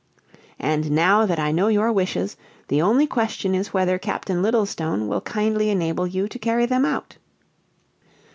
"And now that I know your wishes, the only question is whether Captain Littlestone will kindly enable you to carry them out?"